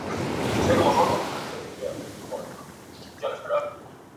使用滑板作为交通工具会使玩家处于其他交通工具的危险中。